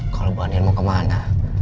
kalo bawang din mau kemana